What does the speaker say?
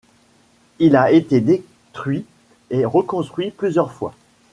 Il a été détruit et reconstruit plusieurs fois.